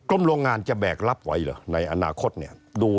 โรงงานจะแบกรับไว้เหรอในอนาคตเนี่ยดู